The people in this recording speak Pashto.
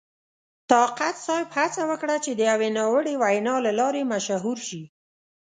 طاقت صاحب هڅه وکړه چې د یوې ناوړې وینا له لارې مشهور شي.